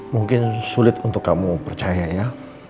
mungkin sulit untuk kamu percaya ya